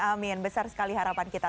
amin besar sekali harapan kita